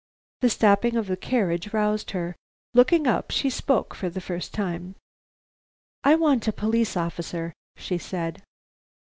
The stopping of the carriage roused her. Looking up, she spoke for the first time. "I want a police officer," she said.